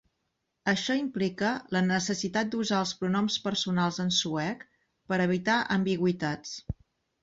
Això implica la necessitat d'usar els pronoms personals en suec per evitar ambigüitats.